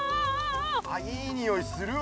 あっいいにおいするわ。